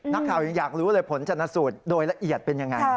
นักข่าวยังอยากรู้เลยผลชนสูตรโดยละเอียดเป็นยังไง